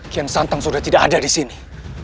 kian santang sudah tidak ada disini